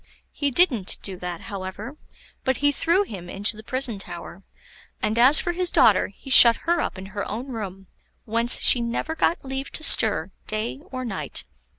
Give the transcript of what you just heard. He didn't do that, however, but he threw him into the prison tower; and as for his daughter, he shut her up in her own room, whence she never got leave to stir day or night.